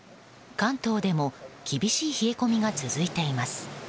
関東でも厳しい冷え込みが続いています。